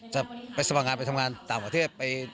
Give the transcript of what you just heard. จะไปสว่างงานไปทำงานต่างประเทศ